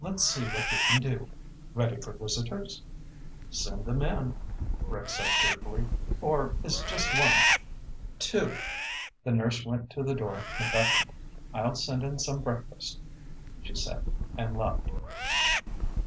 Let's see what we can do. Ready for visitors?" "Send them in," Rick said cheerfully. "Or is it just one?" "Two." The nurse went to the door and beckoned. "I'll send in some breakfast," she said, and left.